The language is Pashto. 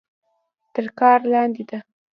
تر کار لاندې ده.